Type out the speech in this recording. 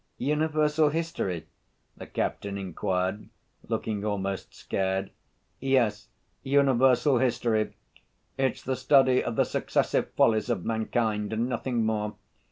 "Universal history?" the captain inquired, looking almost scared. "Yes, universal history! It's the study of the successive follies of mankind and nothing more.